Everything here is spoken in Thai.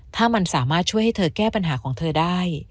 ถ้ามันสามารถช่วยให้เธอแก้ปัญหาของเธอได้